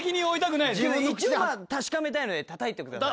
一応まぁ確かめたいのでたたいてください。